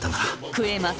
食えます！